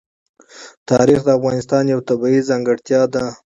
تاریخ د افغانستان یوه طبیعي ځانګړتیا ده.